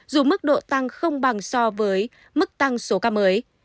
dù mức độ tăng không bằng so với mức tăng số ca mới